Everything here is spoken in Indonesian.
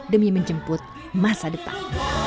demi menjemput masa depan